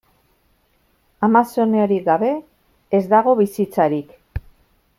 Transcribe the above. Amazoniarik gabe ez dago bizitzarik.